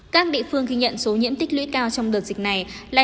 các địa phương ghi nhận số nhiễm tích lũy cao trong đợt dịch này là